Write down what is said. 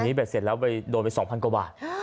อันนี้เบรดเสร็จแล้วโดนไป๒๐๐๐กว่าบาท